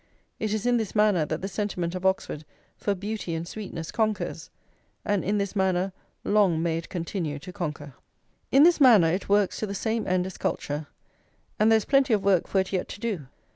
It is in this manner that the sentiment of Oxford for beauty and sweetness conquers, and in this manner long may it continue to conquer! In this manner it works to the same end as culture, and there is plenty of work for it yet to do.